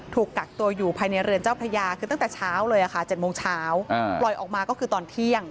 ถูกกักตัวอยู่ภายในเรือนเจ้าพระยาคือตั้งแต่เช้าเลยค่ะ๗โมงเช้าปล่อยออกมาก็คือตอนเที่ยง